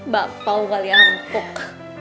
bapau kali ya empuk